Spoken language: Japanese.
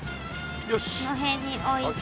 この辺に置いて。